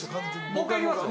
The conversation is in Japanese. もう１回いきますよ。